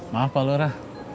maaf pak lura